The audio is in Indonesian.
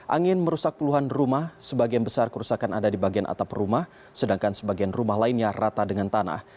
angin merusak puluhan rumah sebagian besar kerusakan ada di bagian atap rumah sedangkan sebagian rumah lainnya rata dengan tanah